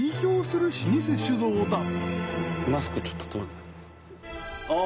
マスクちょっと取れない？